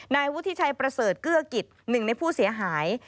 นายวุฒิชัยประเสริฐเกื้อกิจหนึ่งในผู้เสียหาย